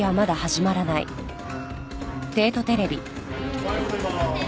おはようございます。